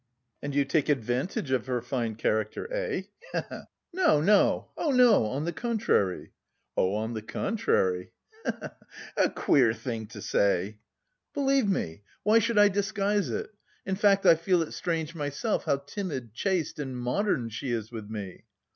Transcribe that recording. "And you take advantage of her fine character, eh? He he!" "No, no! Oh, no! On the contrary." "Oh, on the contrary! He he he! A queer thing to say!" "Believe me! Why should I disguise it? In fact, I feel it strange myself how timid, chaste and modern she is with me!"